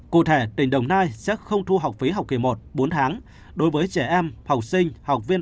cụ thể tỉnh đồng nai sẽ không thu học phí học kỳ một bốn tháng đối với trẻ em học sinh học viên